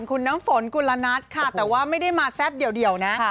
คุณน้ำฝนกุลนัทค่ะแต่ว่าไม่ได้มาแซ่บเดียวนะ